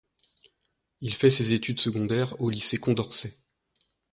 Il fait ses études secondaires au lycée Condorcet.